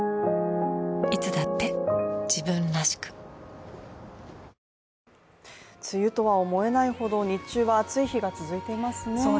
「のどごし生」梅雨とは思えないほど日中は暑い日が続いていますね。